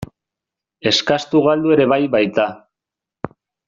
Eskastu galdu ere bai baita.